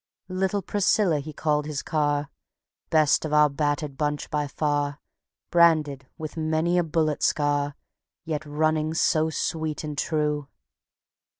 "Little Priscilla" he called his car, Best of our battered bunch by far, Branded with many a bullet scar, Yet running so sweet and true.